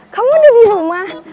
kamu udah di rumah